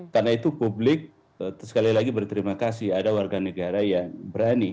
karena itu publik sekali lagi berterima kasih ada warga negara yang berani